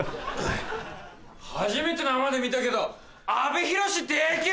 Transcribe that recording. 初めて生で見たけど阿部寛デケェ！